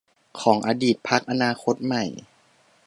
ของอดีตพรรคอนาคตใหม่